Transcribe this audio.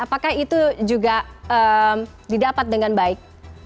apakah itu juga didapat dengan baik